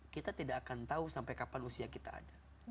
kita tidak akan tahu sampai kapan usia kita ada